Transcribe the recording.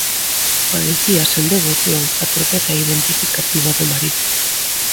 Padecía sen devoción a torpeza identificativa do marido.